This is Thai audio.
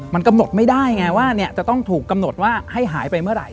มันกำหนดไม่ได้ไงว่าจะต้องถูกกำหนดว่าให้หายไปเมื่อไหร